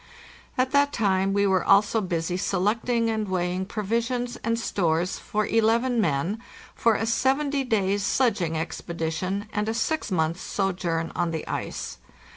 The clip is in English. At that time we were also busy selecting and weighing provis ions and stores for eleven men for a seventy days' sledging expedi tion anda six months' sojourn on the ice.